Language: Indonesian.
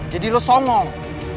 jadi lu somong